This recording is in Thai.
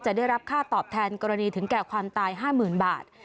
ได้รับค่าตอบแทนกรณีถึงแก่ความตาย๕๐๐๐บาท